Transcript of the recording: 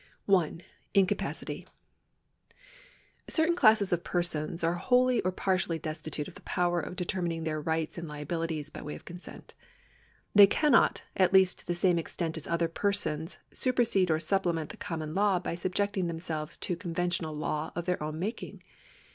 1. Incapacity. Certain classes of persons are wholly or partially destitute of the power of determining their rights and liabilities by way of consent. They cannot, at least to the same extent as other persons, supersede or supplement the common law by subjecting themselves to conventional law of their own making.'